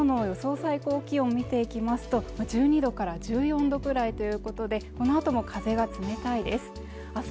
最高気温見ていきますと１２度から１４度くらいということでこのあとも風が冷たいです